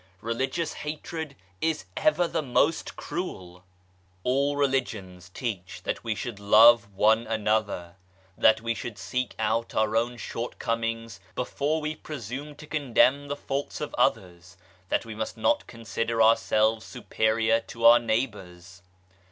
Religious hatred is ever the most cruel ! All Religions teach that we should love one another ; ABOLITION OF PREJUDICES 137 that we should seek out our own shortcomings before we presume to condemn the faults of others, that we must not consider ourselves superior to our neighbours